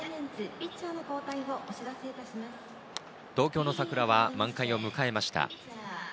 東京の桜は満開を迎えました。